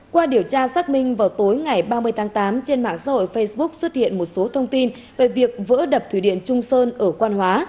qua điều tra xác minh vào tối ngày ba mươi tháng tám trên mạng xã hội facebook xuất hiện một số thông tin về việc vỡ đập thủy điện trung sơn ở quan hóa